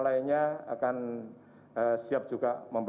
dan yang sudah berangkat adalah dari singapura dan dari malaysia